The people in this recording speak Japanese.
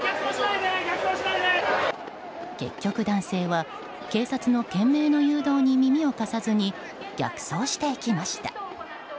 結局、男性は警察の懸命の誘導に耳を貸さずに逆走していきました。